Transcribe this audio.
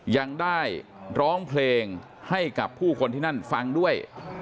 ยังได้ร้องเพลงให้กับผู้คนที่นั่นฟังด้วย